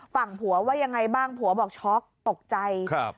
ฝั่งผัวว่ายังไงบ้างผัวบอกช็อกตกใจครับ